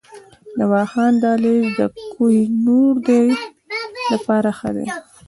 د واخان دهلیز د کوه نوردۍ لپاره ښه دی؟